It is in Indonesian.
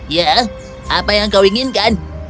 ya apa yang kau inginkan